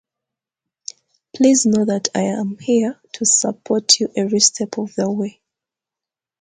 Please know that I am here to support you every step of the way.